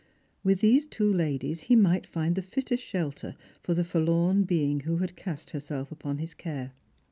With these two ladies he might find the fittest shelter for the forlorn being who had cast herself upon his care.